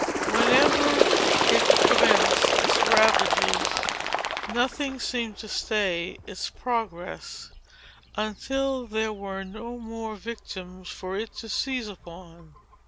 Whenever it commenced its ravages, nothing seemed to stay its progress, until there were no more victims for it to seize upon.